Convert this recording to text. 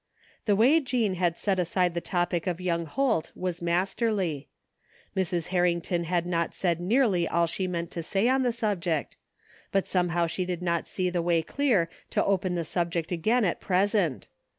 The way Jean had set aside the topic of young Holt was masterly. Mrs. Harring ton haxi not said nearly all she meant to say on the subject, but somehow she did not see the way clear to open the subject again at present.